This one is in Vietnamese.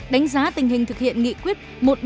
đánh giá tình hình thực hiện nghị quyết